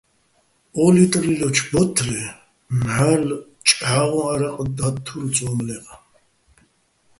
ო́ ლიტრილიჩო̆ ბო́თლე მჵარ'ლ ჭჵა́ღოჼ ა́რაყ და́თთურ "წო́მლეღ".